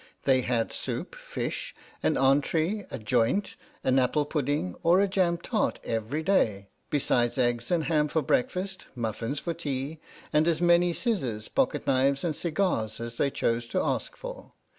They had soup, fish, an entrie, a joint, an apple pudding, or a jam tart every day, besides eggs and ham for breakfast, muffins for tea, and as many scissors, pocket knives, and cigars as they chose to ask for.